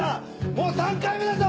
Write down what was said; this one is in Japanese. もう３回目だぞ！